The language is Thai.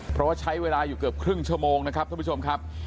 เพราะว่าใช้เวลาอยู่เกือบครึ่งชั่วโมงนะครับท่านผู้ชมครับ